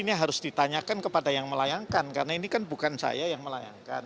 ini harus ditanyakan kepada yang melayangkan karena ini kan bukan saya yang melayangkan